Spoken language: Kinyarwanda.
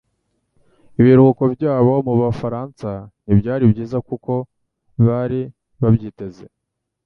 ibiruhuko byabo mubufaransa ntibyari byiza nkuko bari babyiteze